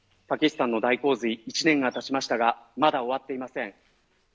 パキスタンの大洪水１年がたちましたがまだ終わっていません。